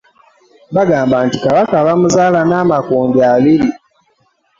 Bagamba nti Kabaka bamuzaala n'amakundi abiri .